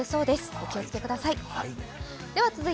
お気をつけください。